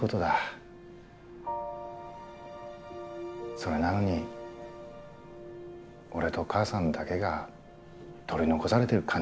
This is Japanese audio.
それなのに俺と母さんだけが取り残されてる感じがしてや。